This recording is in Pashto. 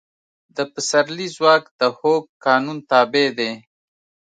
د پسرلي ځواک د هوک قانون تابع دی.